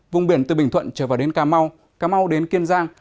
vùng biển từ bình thuận trở vào đến cà mau cà mau đến kiên giang